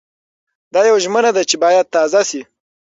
دا يوه ژمنه ده چې بايد تازه شي.